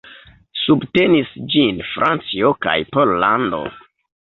Subtenis ĝin Francio kaj Pollando.